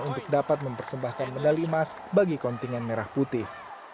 untuk dapat mempersembahkan medali emas bagi kontingen merah putih